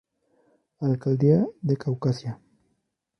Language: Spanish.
Alcaldía de Caucasia.